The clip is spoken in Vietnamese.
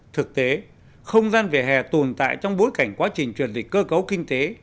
thực tế không gian về hè tồn tại trong bối cảnh quá trình truyền dịch cơ cấu kinh tế